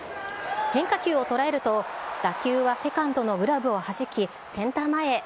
変化球を捉えると、打球はセカンドのグラブをはじき、センター前へ。